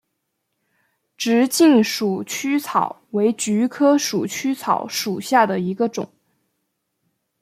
直茎鼠曲草为菊科鼠曲草属下的一个种。